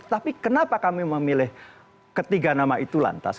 tapi kenapa kami memilih ketiga nama itu lantas